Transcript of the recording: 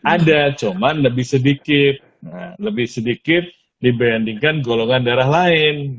ada cuma lebih sedikit lebih sedikit dibandingkan golongan darah lain